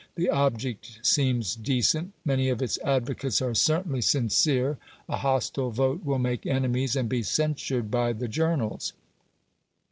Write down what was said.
The object seems decent; many of its advocates are certainly sincere: a hostile vote will make enemies, and be censured by the journals.